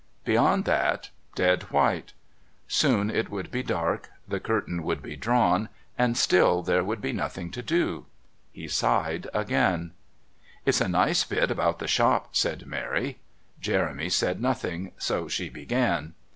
Beyond that dead white soon it would be dark, the curtains would be drawn, and still there would be nothing to do. He sighed again. "It's a nice bit about the shop," said Mary. Jeremy said nothing, so she began.